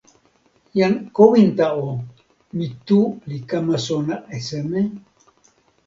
jan Kowinta o, mi tu li kama sona e seme?